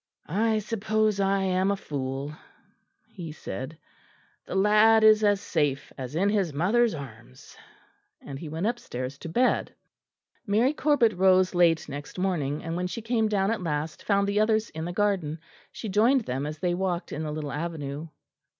"I suppose I am a fool," he said; "the lad is as safe as in his mother's arms." And he went upstairs to bed. Mary Corbet rose late next morning, and when she came down at last found the others in the garden. She joined them as they walked in the little avenue.